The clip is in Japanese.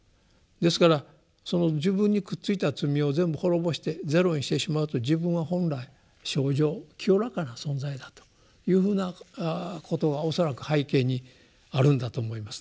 ですからその自分にくっついた罪を全部滅ぼしてゼロにしてしまうと自分は本来清浄清らかな存在だというふうなことが恐らく背景にあるんだと思いますね。